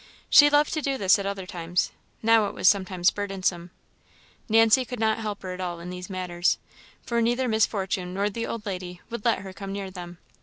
She loved to do this at other times; now it was sometimes burdensome. Nancy could not help her at all in these matters, for neither Miss Fortune nor the old lady would let her come near them.